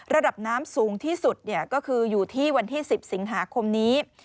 ระดับน้ำสูงที่สุดก็คืออยู่ที่วันที่๑๐สิงหาคมนี้